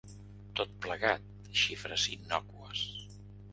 Tot plegat, xifres innòcues.